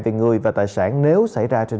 về người và tài sản nếu xảy ra